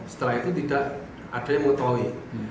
setelah itu tidak ada yang mengetahui